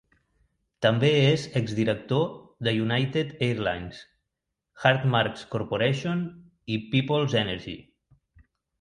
També és exdirector de United Airlines, Hartmarx Corporation i Peoples Energy.